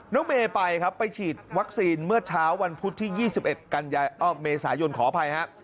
น้องเมไปครับไปฉีดวัคซีนเมื่อเช้าวันพุธที่ยี่สิบเอ็ดกันยายเอ่อเมสายนขออภัยฮะ